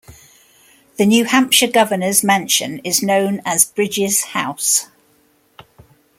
The New Hampshire Governor's Mansion is known as "Bridges House".